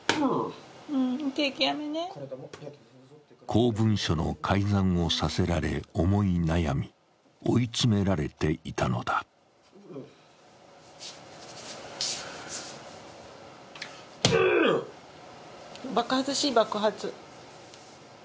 公文書の改ざんをさせられ思い悩み、追い詰められていたのだ爆発しい、爆発。